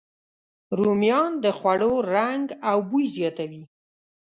رومیان د خوړو رنګ او بوی زیاتوي